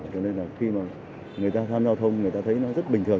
cho nên là khi mà người tham gia giao thông người ta thấy nó rất bình thường